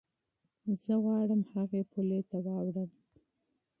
زه غواړم هغې پولې ته واوړم.